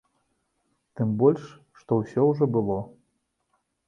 Тым больш, што ўсё ўжо было.